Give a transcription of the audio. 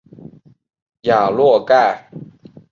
雅洛盖。